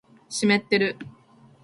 湿ってる